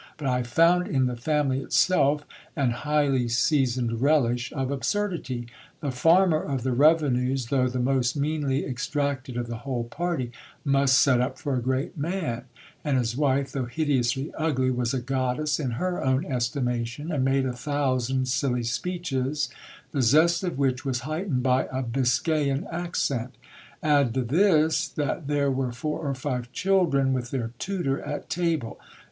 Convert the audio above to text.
but I found in the family itself an highly seasoned relish of absurdity. The farmer of the revenues, though the most meanly extracted of the whole party, must set up for a great man ; and his wife, though hideously ugly, was a goddess in her own estimation, and made a thousand silly speeches, the zest of which was heightened by a Biscayan accent Add to this, that there were four or five children with their tutor at table.